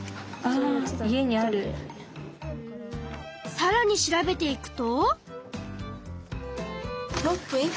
さらに調べていくと。